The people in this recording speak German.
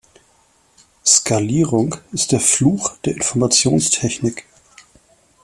Skalierung ist der Fluch der Informationstechnik.